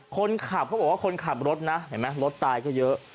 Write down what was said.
คนขับเขาบอกว่าคนขับรถนะเห็นไหมรถตายก็เยอะ